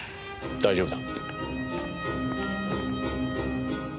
大丈夫だ。